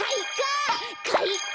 かいか！